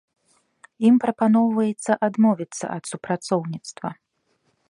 Ім прапаноўваецца адмовіцца ад супрацоўніцтва.